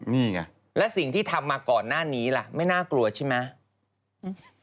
นี่ไงแล้วสิ่งที่ทำมาก่อนหน้านี้ล่ะไม่น่ากลัวใช่ไหม